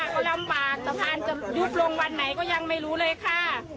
เขาลำบากสะพานจะยุบลงวันไหนก็ยังไม่รู้เลยค่ะ